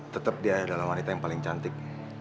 tetap dia adalah wanita yang paling cantik